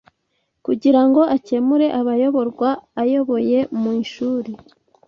kugirango akemure abayoborwa ayoboye mu ishuri